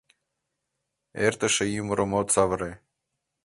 Эртыше ӱмырым от савыре.